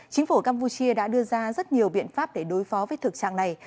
chính phủ campuchia đã đưa ra rất nhiều biện pháp để đối phó với thực trạng này